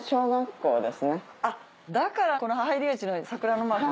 だからこの入り口の上に桜のマーク。